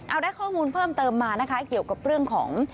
เอาได้ข้อมูลเพิ่มเติมมานะคะเกี่ยวกับเรื่องของ